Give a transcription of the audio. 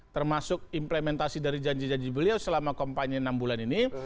termasuk implementasi dari janji janji beliau selama kampanye enam bulan ini